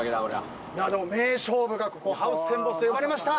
でも名勝負がここハウステンボスで生まれました！